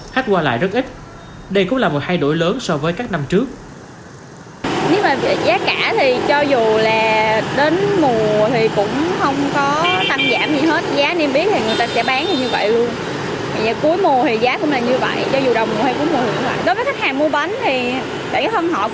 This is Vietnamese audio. khách qua lại rất ít đây cũng là một thay đổi lớn so với các năm trước